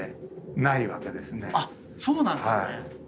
そうなんですね。